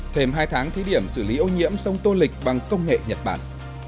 thêm hai tháng thí điểm xử lý ô nhiễm sông tô lịch bằng công nghệ nhật bản